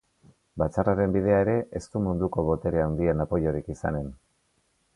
Batzarraren bidea ere ez du munduko botere handien apoiorik izanen.